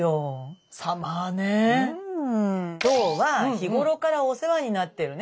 今日は日ごろからお世話になってるね